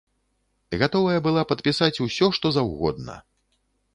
Гатовая была падпісаць усё што заўгодна!